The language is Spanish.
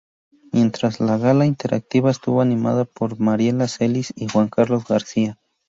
Mientras, la gala interactiva estuvo animada por Mariela Celis y Juan Carlos García.